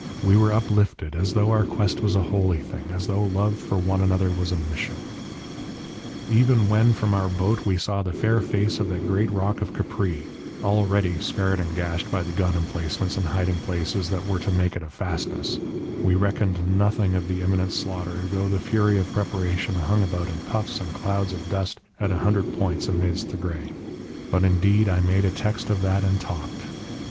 We were uplifted, as though our quest was a holy thing, as though love for one another was a mission.... "Even when from our boat we saw the fair face of that great rock Capri already scarred and gashed by the gun emplacements and hiding places that were to make it a fastness we reckoned nothing of the imminent slaughter, though the fury of preparation hung about in puffs and clouds of dust at a hundred points amidst the grey; but, indeed, I made a text of that and talked.